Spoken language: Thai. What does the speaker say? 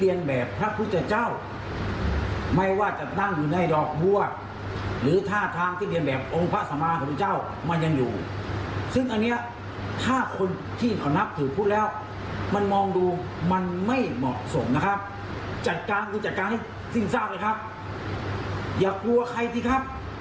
อย่ากลัวใครสิครับ